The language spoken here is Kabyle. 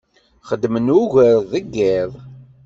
Xeddmen ugar deg yiḍ.